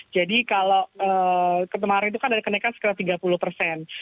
jadi kalau kemarin itu kan ada kenaikan sekitar tiga puluh persen